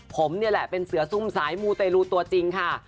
ผมนี่แหละเป็นเสือซุ่มสายมูเตรลูตัวจริงค่ะ